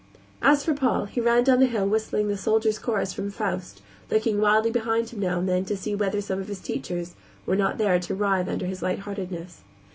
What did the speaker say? As for Paul, he ran down the hill whistling the "Soldiers' Chorus" from Faust, looking wildly behind him now and then to see whether some of his teachers were not there to writhe under his lightheartedness.